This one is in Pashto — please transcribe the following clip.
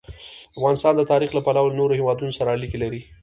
افغانستان د تاریخ له پلوه له نورو هېوادونو سره اړیکې لري.